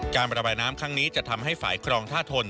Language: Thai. ประบายน้ำครั้งนี้จะทำให้ฝ่ายครองท่าทน